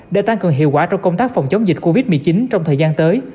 để tăng cường hiệu quả trong công tác phòng chống dịch covid một mươi chín trong thời gian tới